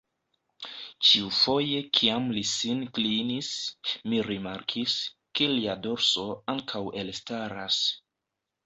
Ĉiufoje kiam li sin klinis, mi rimarkis, ke lia dorso ankaŭ elstaras.